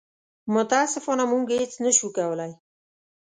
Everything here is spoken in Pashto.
متاسفانه موږ هېڅ نه شو کولی.